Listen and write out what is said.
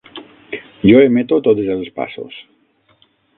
Jo emeto tots els passos.